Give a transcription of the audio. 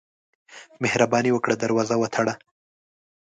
مهرباني وکړه، دروازه وتړه.